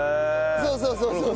そうそうそうそう。